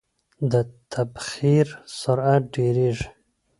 د تبخیر سرعت ډیریږي.